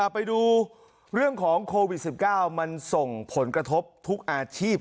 ไปดูเรื่องของโควิด๑๙มันส่งผลกระทบทุกอาชีพ